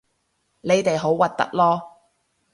你哋好核突囉